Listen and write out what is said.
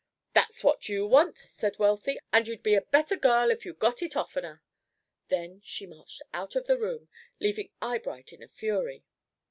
"That's what you want," said Wealthy, "and you'd be a better girl if you got it oftener." Then she marched out of the room, leaving Eyebright in a fury.